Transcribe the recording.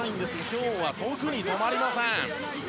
今日は、特に止まりません。